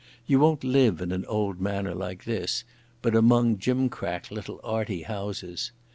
You won't live in an old manor like this, but among gimcrack little 'arty' houses.